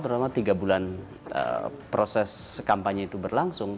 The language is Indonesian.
selama tiga bulan proses kampanye itu berlangsung